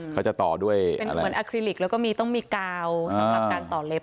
เขาจะต่อด้วยเป็นเหมือนอาคลิลิกแล้วก็มีต้องมีกาวสำหรับการต่อเล็บ